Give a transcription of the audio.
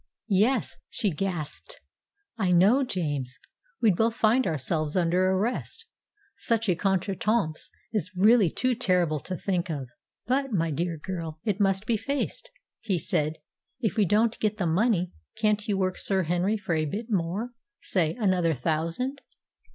"Yes," she gasped, "I know, James. We'd both find ourselves under arrest. Such a contretemps is really too terrible to think of." "But, my dear girl, it must be faced," he said, "if we don't get the money. Can't you work Sir Henry for a bit more, say another thousand.